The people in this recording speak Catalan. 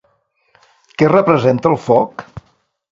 Què representava el foc?